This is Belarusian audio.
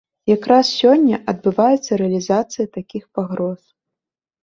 Якраз сёння адбываецца рэалізацыя такіх пагроз.